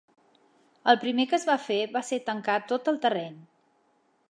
El primer que es va fer va ser tancar tot el terreny.